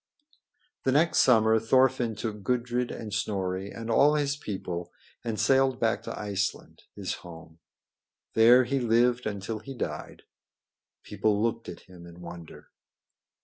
The next summer Thorfinn took Gudrid and Snorri and all his people and sailed back to Iceland, his home. There he lived until he died. People looked at him in wonder.